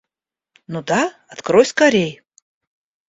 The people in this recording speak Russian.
Ну да, открой скорей!